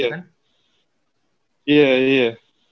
iya saya kan udah mutusin untuk pindah gitu kan ya